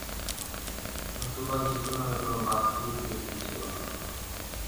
নতুবা যীশু নামে বাস্তবিক কোন ব্যক্তি ছিল না।